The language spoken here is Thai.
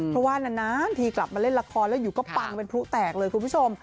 เพราะว่านานทีกลับมาเล่นละครแล้วอยู่ก็ปังเป็นพลุแตกเลยคุณผู้ชม